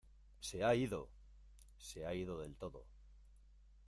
¡ Se ha ido! Se ha ido del todo.